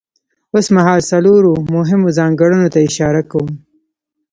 اوسمهال څلورو مهمو ځانګړنو ته اشاره کوم.